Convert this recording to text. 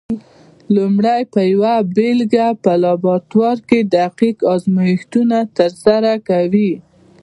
لومړی پر یوه بېلګه په لابراتوار کې دقیق ازمېښتونه ترسره کوي؟